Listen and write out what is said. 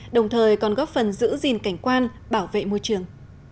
đồng thời còn góp phần giữ gìn cảnh quan bảo vệ môi trường